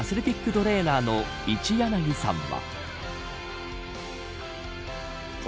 トレーナーの一柳さんは。